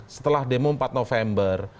setelah demo empat november